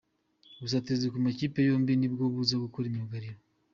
Ubusatirizi ku makipe yombi nibwo buza gukora ikinyuranyo.